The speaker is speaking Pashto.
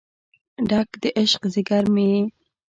ډک د عشق ځیګر مې یې